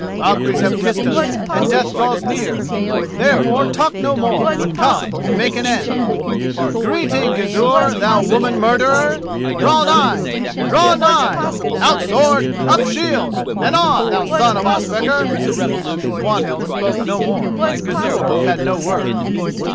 Valkyries have kissed us and death draws near. Therefore, talk no more, but come and make an end. Greeting, Gizur, thou woman murderer! Draw nigh! draw nigh! Out sword! up shield! and on, thou son of Ospakar!" Swanhild spoke no more, and Gizur had no word.